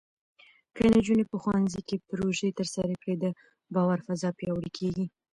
که نجونې په ښوونځي کې پروژې ترسره کړي، د باور فضا پیاوړې کېږي.